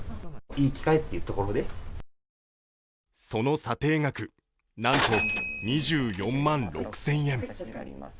その査定額、なんと２４万６０００円。